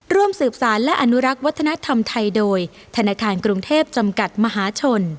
ร่วมสืบสารและอนุรักษ์วัฒนธรรมไทยโดยธนาคารกรุงเทพจำกัดมหาชน